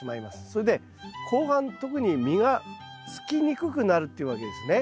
それで後半特に実がつきにくくなるっていうわけですね。